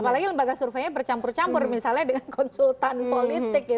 apalagi lembaga surveinya bercampur campur misalnya dengan konsultan politik